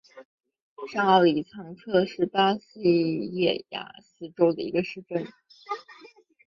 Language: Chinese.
上奥里藏特是巴西戈亚斯州的一个市镇。